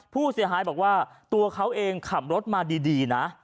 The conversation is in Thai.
ผู้เสียหายบอกว่าตัวเขาเองขับรถมาดีนะ